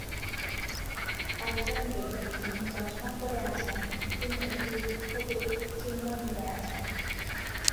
একজন ব্যক্তি যিনি চশমা পরে আছেন, তিনি একটি বিক্ষোভে একটি চিহ্ন ধরে আছেন।